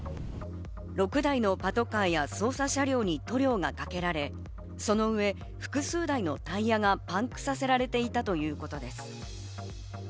６台のパトカーや捜査車両に塗料がかけられ、その上、複数台のタイヤがパンクさせられていたということです。